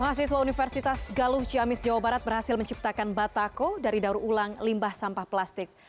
mahasiswa universitas galuh ciamis jawa barat berhasil menciptakan batako dari daur ulang limbah sampah plastik